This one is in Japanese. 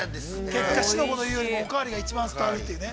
結果四の五の言うよりもおかわりが一番伝わるというね。